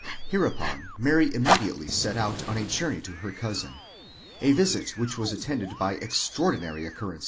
Hereupon Mary immediately set out on a journey to her cousin, a visit which was attended by extraordinary occur.